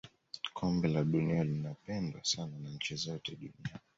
kombe la dunia linapendwa sana na nchi zote duniani